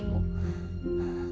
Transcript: kami sudah mendampingmu